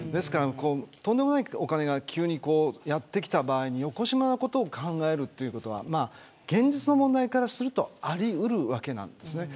とんでもないお金が急にやってきた場合によこしまなことを考えるのは現実の問題からするとあり得るわけです。